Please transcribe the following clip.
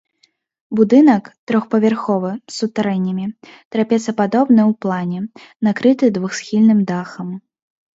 Будынак трохпавярховы з сутарэннямі, трапецападобны ў плане, накрыты двухсхільным дахам.